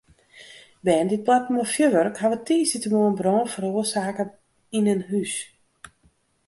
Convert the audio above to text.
Bern dy't boarten mei fjurwurk hawwe tiisdeitemoarn brân feroarsake yn in hûs.